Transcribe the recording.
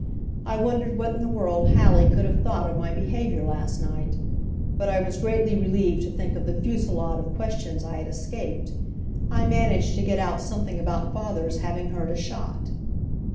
I wondered what in the world Hallie could have thought of my behavior last night, but I was greatly relieved to think of the fusillade of questions I had escaped. I managed to get out something about father's having heard a shot.